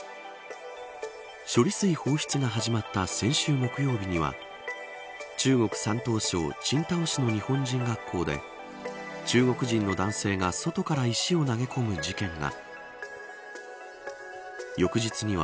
処理水放出が始まった先週木曜日には中国・山東省青島市の日本人学校で中国人の男性が外から石を投げ込む事件が。